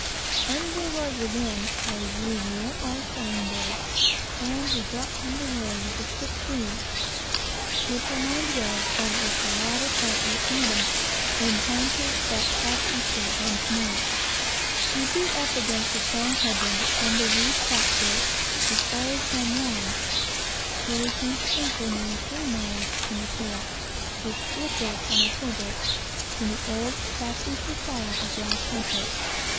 Sunday was again, as usual, our sailing day, and we got under weigh with a stiff breeze, which reminded us that it was the latter part of the autumn, and time to expect south easters once more. We beat up against a strong head wind, under reefed top sails, as far as San Juan, where we came to anchor nearly three miles from the shore, with slip ropes on our cables, in the old south easter style of last winter.